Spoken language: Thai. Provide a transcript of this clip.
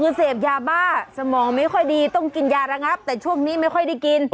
คือเสพยาบ้าสมองไม่ค่อยดีต้องกินยาระงับแต่ช่วงนี้ไม่ค่อยได้กิน